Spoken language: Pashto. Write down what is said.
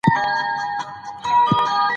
خو زمونږ پۀ هره خبره کښې به نېغ نېغ کيږي -